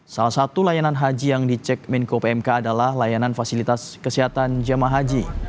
salah satu layanan haji yang dicek menko pmk adalah layanan fasilitas kesehatan jemaah haji